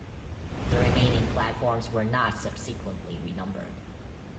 The remaining platforms were not subsequently renumbered.